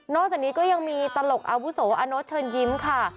จากนี้ก็ยังมีตลกอาวุโสอาโน๊ตเชิญยิ้มค่ะ